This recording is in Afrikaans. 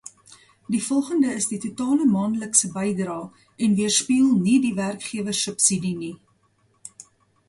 Die volgende is die totale maandelikse bydrae, en weerspieël nie die werkgewersubsidie nie.